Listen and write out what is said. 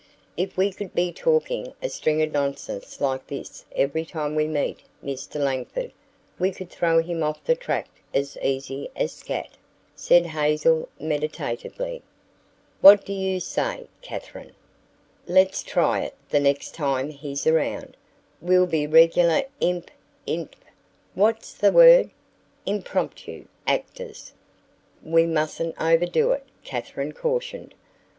"If we could be talking a string of nonsense like this every time we meet Mr. Langford, we could throw him off the track as easy as scat," said Hazel meditatively. "What do you say, Katherine? let's try it the next time he's around: We'll be regular imp , inp What's the word impromptu actors." "We mustn't overdo it," Katherine cautioned.